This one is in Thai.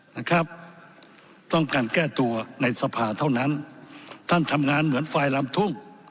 นะครับต้องการแก้ตัวในสภาเท่านั้นท่านทำงานเหมือนฝ่ายลำทุ่ง